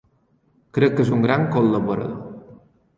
Crec que és un gran col·laborador.